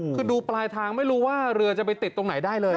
คือดูปลายทางไม่รู้ว่าเรือจะไปติดตรงไหนได้เลย